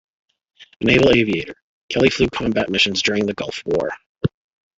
A naval aviator, Kelly flew combat missions during the Gulf War.